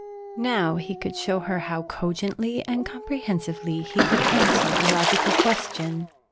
Now he could show her how cogently and comprehensively he could answer a logical question.